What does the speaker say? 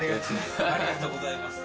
ありがとうございます。